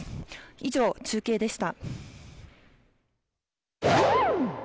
以上、中継でした。